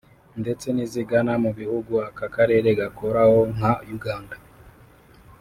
ndetse n’izigana mu bihugu aka karere gakoraho nka Uganda